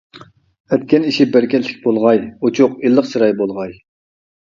ئەتكەن ئېشى بەرىكەتلىك بولغاي، ئوچۇق، ئىللىق چىراي بولغاي.